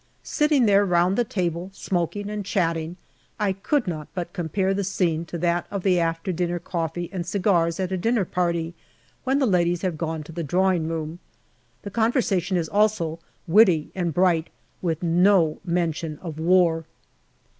Sitting there round the table, smoking and chatting, I could not but compare the scene with that of the after dinner coffee and cigars at a dinner party, when the ladies have gone to the drawing room. The conversation is also witty and bright, with no mention of war.